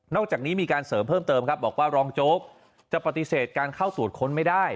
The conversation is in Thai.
จากนี้มีการเสริมเพิ่มเติมครับบอกว่ารองโจ๊กจะปฏิเสธการเข้าตรวจค้นไม่ได้